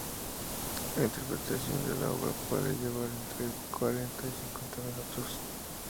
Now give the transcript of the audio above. La interpretación de la obra puede llevar entre cuarenta y cincuenta minutos.